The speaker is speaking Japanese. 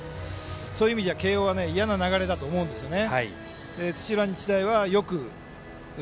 そういう意味では慶応はいやな流れだと思うんですね。